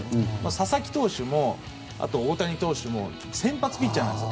佐々木投手も大谷投手も先発ピッチャーなんです。